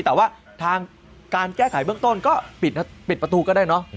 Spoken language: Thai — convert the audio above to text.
แต่ว่าทางการแก้ไขเบื้องต้นก็ปิดประตูก็ได้เนอะ